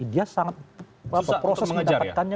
dia sangat susah untuk mendapatkan